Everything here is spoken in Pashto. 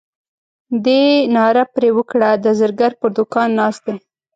دې ناره پر وکړه د زرګر پر دوکان ناست دی.